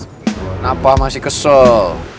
kenapa masih kesel